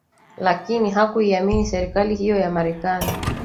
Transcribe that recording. lakini hakuiamini serikali hiyo ya Marekani